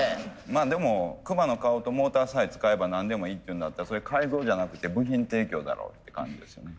まあでもクマの顔とモーターさえ使えば何でもいいっていうんだったらそれ改造じゃなくて部品提供だろって感じですよね。